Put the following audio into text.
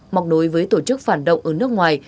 mọc đối với tổ chức phản động ở nước ngoài